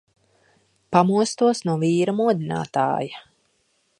Pamostos no vīra modinātāja.